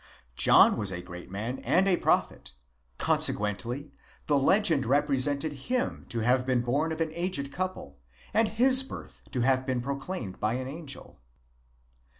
; John was a great man and a prophet ; consequently, the legend represented him to have been born of an aged couple, and his birth to have been proclaimed by an angel.